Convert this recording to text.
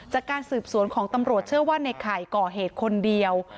จากการสืบสวนของตำรวจเชื่อว่าในไข่ก่อเหตุคนเดียว